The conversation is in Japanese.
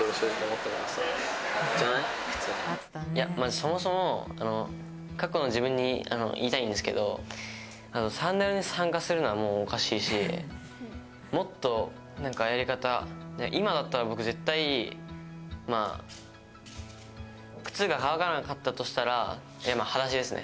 そもそも過去の自分に言いたいんですけど、サンダルで参加するのはもうおかしいし、もっとやり方、今だったら僕、絶対、靴が乾かなかったとしたら裸足ですね。